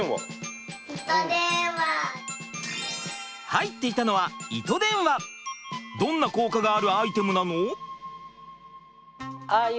入っていたのはどんな効果があるアイテムなの？